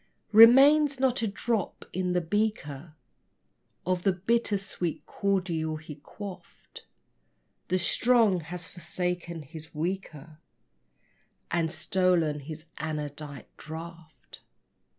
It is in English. Remains not a drop in the beaker Of the bitter sweet cordial he quaffed: The strong has forsaken his weaker And stolen his anodyne draught.